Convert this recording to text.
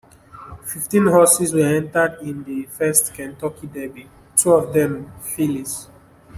Fifteen horses were entered in the first Kentucky Derby, two of them fillies.